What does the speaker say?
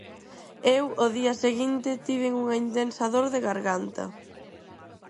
Eu o día seguinte tiven un intensa dor de garganta.